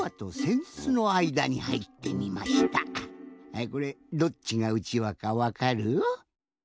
はいこれどっちがうちわかわかる？